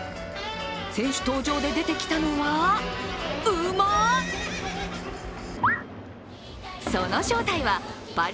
選手登場で出てきたのは馬！？